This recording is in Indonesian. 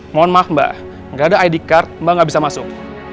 mohon maaf mbak nggak ada id card mbak nggak bisa masuk